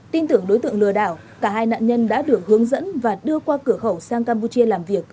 tin tưởng đối tượng lừa đảo cả hai nạn nhân đã được hướng dẫn và đưa qua cửa khẩu sang campuchia làm việc